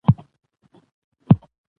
خو ناکامیږي